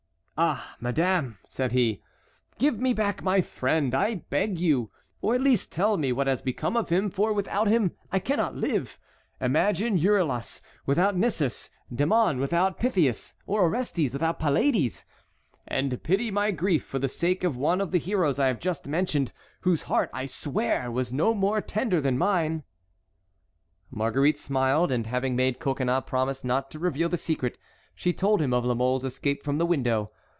"Ah, madame," said he, "give me back my friend, I beg you, or at least tell me what has become of him, for without him I cannot live. Imagine Euryalus without Nisus, Damon without Pythias, or Orestes without Pylades, and pity my grief for the sake of one of the heroes I have just mentioned, whose heart, I swear, was no more tender than mine." Marguerite smiled, and having made Coconnas promise not to reveal the secret, she told him of La Mole's escape from the window.